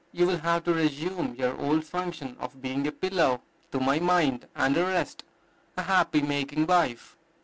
You will have to resume your old function of being a pillow to my mind, and a rest, a happy making wife."